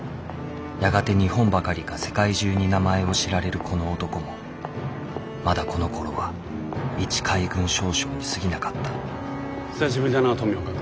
やがて日本ばかりか世界中に名前を知られるこの男もまだこのころは一海軍少将にすぎなかった久しぶりだな富岡君。